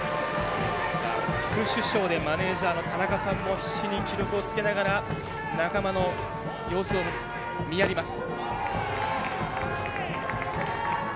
副主将でもあるマネージャーの田中さんも必死に記録をつけながら仲間の様子を見やります。